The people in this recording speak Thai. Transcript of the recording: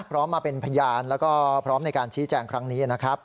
พร้อมมาเป็นพยานแล้วก็พร้อมในการชี้แจงครั้งนี้นะครับ